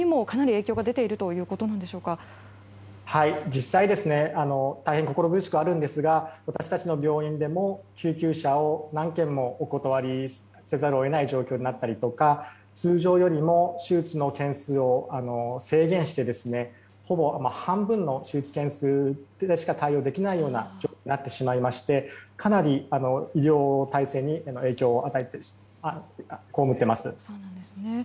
実際に大変心苦しくあるんですが私たちの病院でも救急車を何件もお断りせざるを得ない状況になったりとか通常よりも手術の件数を制限してほぼ半分の手術件数でしか対応できないような状況になってしまいましてかなり医療体制に影響を被っています。